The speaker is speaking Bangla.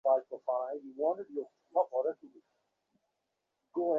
দুপুরে আহার করিয়া বুড়ি খিড়কির পিছনে বাঁশবনের উপর বসিয়া কঞ্চি কাটে।